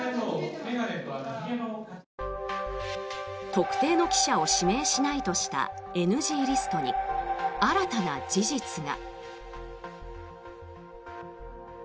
特定の記者を指名しないとしたＮＧリストに新たな事実が。